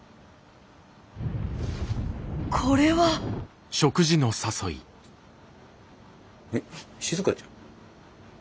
これは。えしずかちゃん？